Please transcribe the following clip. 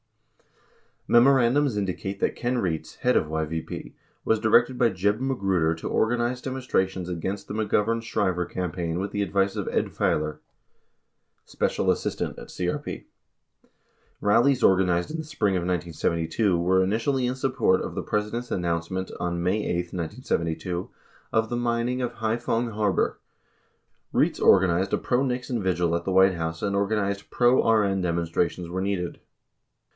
Memorandums indicate that Ken Rietz, head of YVP, was directed by J eb Magruder to organize demonstrations against the McGovern Shriver campaign with the advice of Ed Failor, special assistant at CRP. 44 Rallies organized in the spring of 1972 were initially in support of the President's announcement on May 8, 1972, of the mining of Hai phong Harbor. Rietz organized a pro Nixon vigil at the White House 45 and organized "pro RN demonstrations where needed."